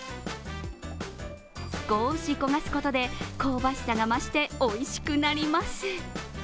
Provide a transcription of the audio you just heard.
少し焦がすことで香ばしさが増して、おいしくなります。